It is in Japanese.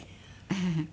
フフフ。